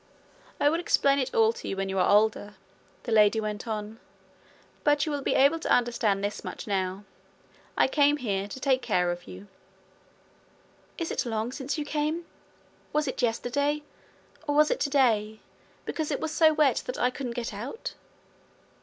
'I will explain it all to you when you are older,' the lady went on. 'But you will be able to understand this much now: I came here to take care of you.' 'Is it long since you came? Was it yesterday? Or was it today, because it was so wet that I couldn't get out?'